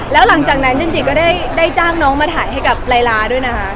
แล้วหลังจากนั้นจินจิก็ได้จ้างน้องมาถ่ายให้กับลายลาด้วยนะคะ